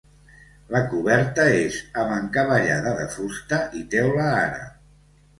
La coberta és amb encavallada de fusta i teula àrab.